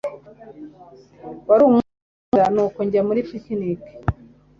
Wari umunsi mwiza nuko njya muri picnic.